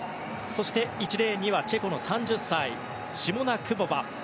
そして、１レーンにはチェコの３０歳シモナ・クボバ。